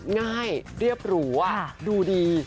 ง่ายเรียบหรูดูดี